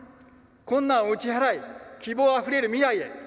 困難を打ち払い希望あふれる未来へ。